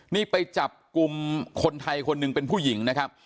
นี่ไปจับกลุ่มคนไทยคนหนึ่งเป็นผู้หญิงนะครับ